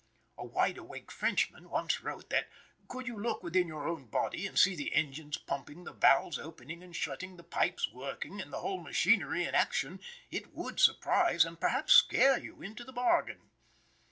A wide awake Frenchman once wrote that, could you look within your own body and see the engines pumping, the valves opening and shutting, the pipes working, and the whole machinery in action, it would surprise and perhaps scare you into the bargain.